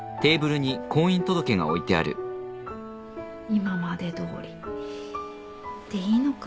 今までどおりでいいのか？